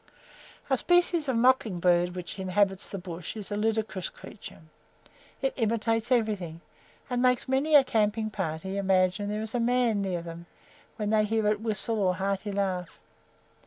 A species of mocking bird which inhabits the bush is a ludicrous creature. It imitates everything, and makes many a camping party imagine there is a man near them, when they hear its whistle or hearty laugh.